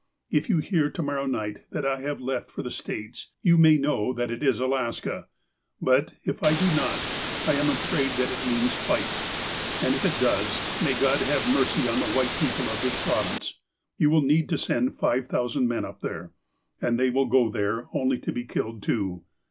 If you hear, to morrow night, that I have left for the States, you may know that it is Alaska. But, if I do not, I am afraid that it means fight. And if it does, may God have mercy on the white people of this Province. You will need to send five thousand men up there. And they will go there only to be killed too.